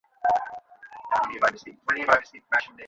মারলা Lee বললেন, আপনার অনেক সময় নিলাম।